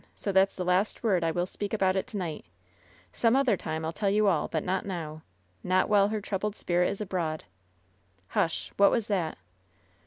So that^s the last word I will speak about it to ni^t Some other time FU tell you all, but not now. Not while her troubled spirit is abroad. Hush! What was that?"